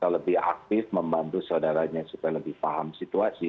lebih aktif membantu saudaranya supaya lebih paham situasi